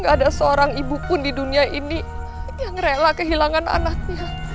gak ada seorang ibupun di dunia ini yang rela kehilangan anaknya